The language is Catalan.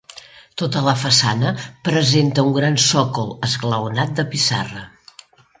Tota la façana presenta un gran sòcol esglaonat de pissarra.